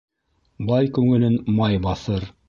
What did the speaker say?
Бай күңелен май баҫыр.